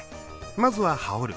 まずは羽織る。